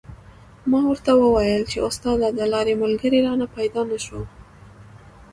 ما ورته و ویل چې استاده د لارې ملګری رانه پیدا نه شو.